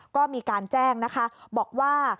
ก็มีการแจ้งนะคะบอกว่า